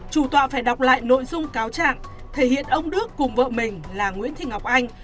chủ tọa phải đọc lại nội dung cáo trạng thể hiện ông đức cùng vợ mình là nguyễn thị ngọc anh